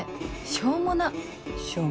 しょうもな。